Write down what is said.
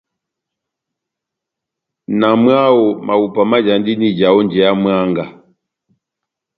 Na mwáho, mahupa majandini ija ó njeya mwángá.